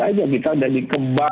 aja kita udah dikebak